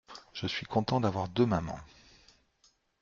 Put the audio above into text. Je suis content d'avoir deux mamans.